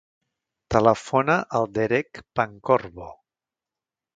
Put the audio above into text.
Telefona al Derek Pancorbo.